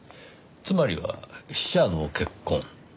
つまりは死者の結婚。